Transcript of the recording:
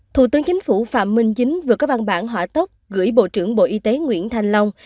thủ tướng chính phủ phạm minh chính vừa có văn bản hỏa tốc gửi bộ trưởng bộ y tế nguyễn thanh long